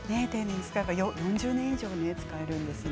４０年以上使えるんですね